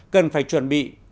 cần phải chuẩn bị